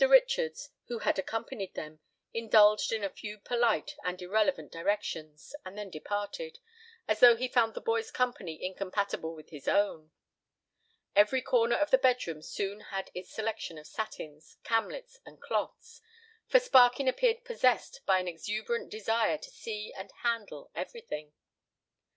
Richards, who had accompanied them, indulged in a few polite and irrelevant directions, and then departed, as though he found the boy's company incompatible with his own. Every corner of the bedroom soon had its selection of satins, camlets, and cloths, for Sparkin appeared possessed by an exuberant desire to see and handle everything.